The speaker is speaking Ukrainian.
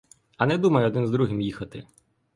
А не думай один з другим їхати.